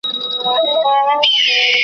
زه خالق د هري میني، ملکه د هر داستان یم .